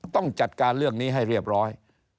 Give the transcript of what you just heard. ต้องจัดการเรื่องนี้ให้เรียบร้อย